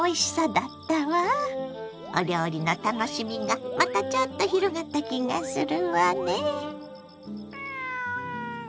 お料理の楽しみがまたちょっと広がった気がするわね。